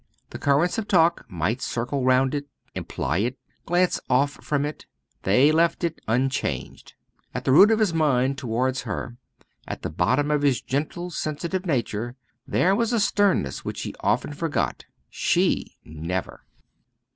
The currents of talk might circle round it, imply it, glance off from it; they left it unchanged. At the root of his mind towards her, at the bottom of his gentle sensitive nature, there was a sternness which he often forgot she never.